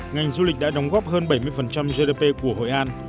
ngành du lịch đã đóng góp hơn bảy mươi gdp của hội an